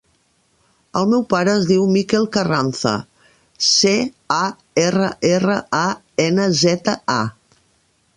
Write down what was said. El meu pare es diu Mikel Carranza: ce, a, erra, erra, a, ena, zeta, a.